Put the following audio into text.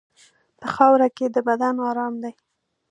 په خاوره کې د بدن ارام دی.